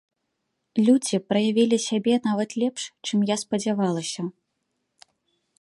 Людзі праявілі сябе нават лепш, чым я спадзявалася.